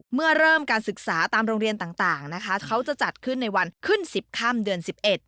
เมื่อเริ่มการศึกษาตามโรงเรียนต่างนะคะเขาจะจัดขึ้นในวันขึ้น๑๐ค่ำเดือน๑๑